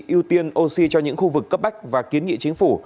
ưu tiên oxy cho những khu vực cấp bách và kiến nghị chính phủ